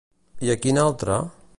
I a quina altra?